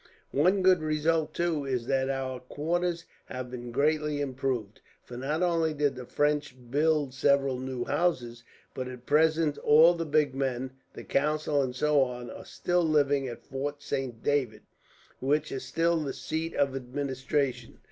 "One good result, too, is that our quarters have been greatly improved; for not only did the French build several new houses, but at present all the big men, the council and so on, are still living at Fort Saint David, which is still the seat of administration.